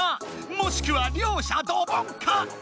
もしくは両者ドボンか！